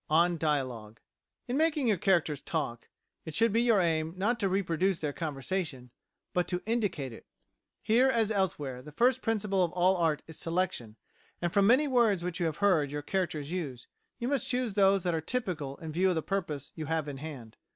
On Dialogue In making your characters talk, it should be your aim not to reproduce their conversation, but to indicate it. Here, as elsewhere, the first principle of all art is selection, and from the many words which you have heard your characters use, you must choose those that are typical in view of the purpose you have in hand.